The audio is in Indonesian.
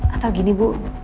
atau gini bu